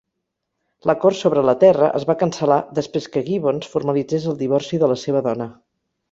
L'acord sobre la terra es va cancel·lar després que Gibbons formalitzés el divorci de la seva dona.